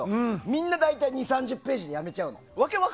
みんな大体２０３０ページでやめちゃうの。